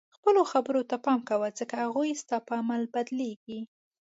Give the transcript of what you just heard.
خپلو خبرو ته پام کوه ځکه هغوی ستا په عمل بدلیږي.